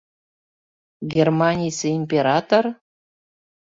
— Германийысе император?